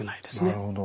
なるほど。